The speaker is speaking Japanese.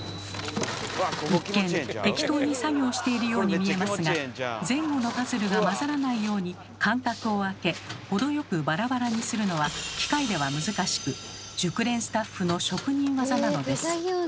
一見適当に作業しているように見えますが前後のパズルが交ざらないように間隔を空け程よくバラバラにするのは機械では難しく熟練スタッフの職人技なのです。